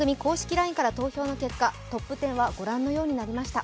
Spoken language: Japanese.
ＬＩＮＥから投票の結果トップ１０はご覧のようになりました。